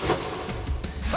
さあ。